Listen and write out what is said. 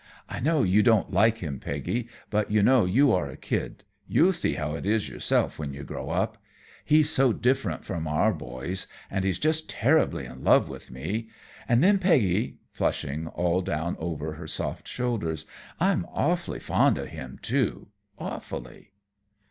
I know you don't like him, Peggy, but you know you are a kid. You'll see how it is yourself when you grow up. He's so different from our boys, and he's just terribly in love with me. And then, Peggy," flushing all down over her soft shoulders, "I'm awfully fond of him, too. Awfully."